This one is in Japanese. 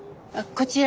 こちら。